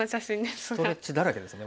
ストレッチだらけですね。